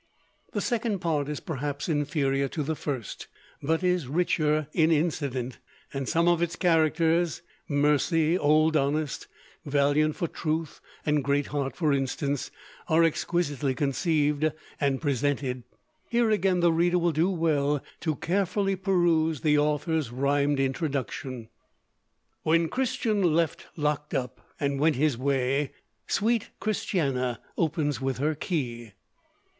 The second part is perhaps inferior to the first, but is richer in incident, and some of its characters Mercy, old Honest, Valiant for truth, and Great heart, for instance are exquisitely conceived and presented. Here again the reader will do well to carefully peruse the author's rhymed introduction: "What Christian left locked up, and went his way, Sweet Christiana opens with her key."